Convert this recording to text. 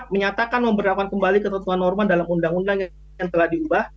empat menyatakan memberi kembali ketentuan normal dalam undang undang yang telah diubah